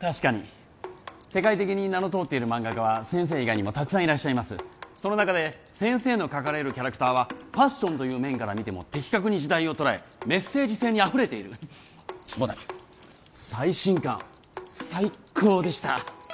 確かに世界的に名の通っている漫画家は先生以外にもたくさんいらっしゃいますその中で先生の描かれるキャラクターはファッションという面から見ても的確に時代を捉えメッセージ性にあふれているそうだ最新刊最高でした！